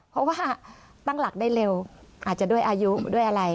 เพราะว่าตั้งหลักได้เร็วอาจจะด้วยอายุด้วยอะไร